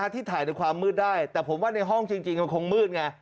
ที่ถ่ายในความมืดได้แต่ผมว่าในห้องจริงมันคงมืดไง